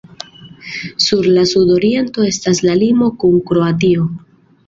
Sur la sudoriento estas la limo kun Kroatio.